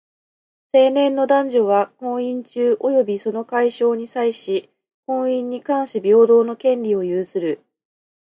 成年の男女は、婚姻中及びその解消に際し、婚姻に関し平等の権利を有する。